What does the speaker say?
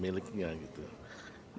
masalah uang yang bukan miliknya